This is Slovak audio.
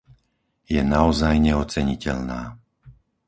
Je naozaj neoceniteľná.